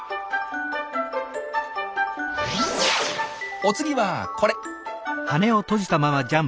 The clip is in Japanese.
お次はこれ！